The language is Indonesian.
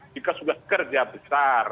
jika sudah kerja besar